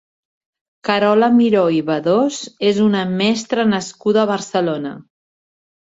Carola Miró i Bedós és una mestra nascuda a Barcelona.